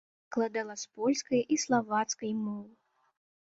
Перакладала з польскай і славацкай моў.